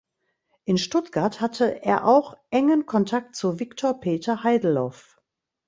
In Stuttgart hatte er auch engen Kontakt zu Viktor Peter Heideloff.